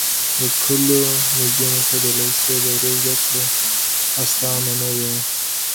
د کلیو نجونو ته د لېسې دوري زده کړې اسانه نه وي.